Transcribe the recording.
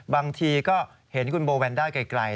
บางทีก็เห็นคุณโบแวนด้าไกล